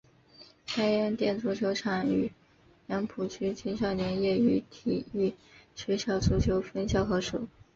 白洋淀足球场与杨浦区青少年业余体育学校足球分校合署。